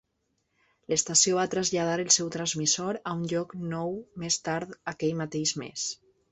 L'estació va traslladar el seu transmissor a un lloc nou més tard aquell mateix mes.